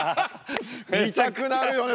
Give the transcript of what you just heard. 見たくなるよね。